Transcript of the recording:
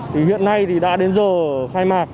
thì hiện nay thì đã đến giờ khai mạc